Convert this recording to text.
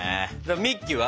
ミッキーは？